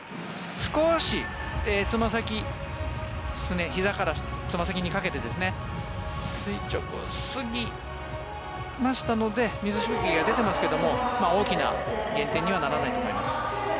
少しつま先ひざからつま先にかけて垂直すぎましたので水しぶきが出ていますけど大きな減点にはならないと思います。